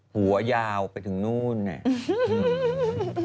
หัวยาวไปถึงนู่นเนี่ย